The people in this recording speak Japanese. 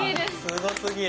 すごすぎる！